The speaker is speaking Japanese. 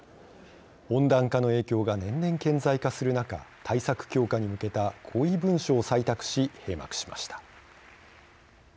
温暖化の影響が年々顕在化する中対策強化に向けた合意文書を採択し閉幕しました。